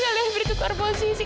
kalian bertukar posisi